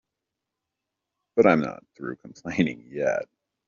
But I'm not through complaining yet.